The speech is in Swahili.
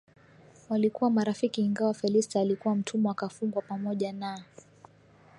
walikuwa marafiki ingawa Felista alikuwa mtumwa Akafungwa pamoja na